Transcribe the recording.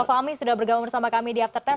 fahmi sudah bergabung bersama kami di after test